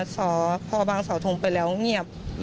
สพบางสาวทงไปแล้วเงียบ